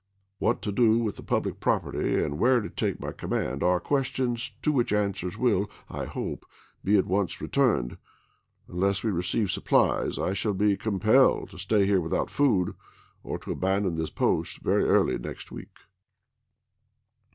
What to do with the public property and where to take my command, are questions to which answers will, I hope, be at once to Tifomas returned. Unless we receive supplies I shall be com "^'"^^'yol* pelled to stay here without food, or to abandon this post i., p. 241. ' very early next week."